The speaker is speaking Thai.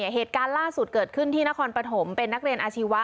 เหตุการณ์ล่าสุดเกิดขึ้นที่นครปฐมเป็นนักเรียนอาชีวะ